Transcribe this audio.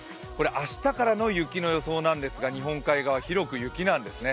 明日からの雪の予想なんですが日本海側、広く雪なんですね。